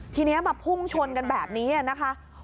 ทีนี้มาพุ่งชนกันแบบนี้นะคะ